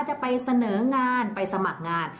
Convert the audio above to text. จะไปเสนองานไปสมัครงาน